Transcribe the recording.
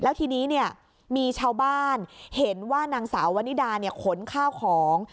แล้วทีนี้เนี่ยมีชาวบ้านเห็นว่านางสาววันนิดาเนี่ยขนข้าวของ